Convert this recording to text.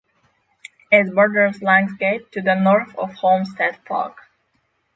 It borders Langlaagte to the north and Homestead Park.